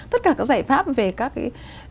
tất cả các giải pháp về các cái